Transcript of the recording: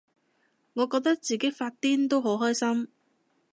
我覺得自己發癲都好開心